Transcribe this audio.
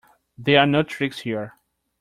There are no tricks here.